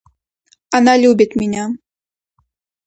Она любит меня.